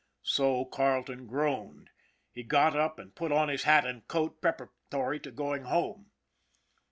So Carleton groaned. He got up and put on his hat and coat preparatory to going home.